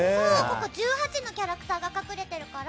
１８のキャラクターが隠れてるから。